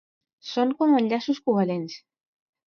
Són com enllaços covalents.